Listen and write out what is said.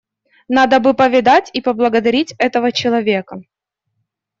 Надо бы повидать и поблагодарить этого человека.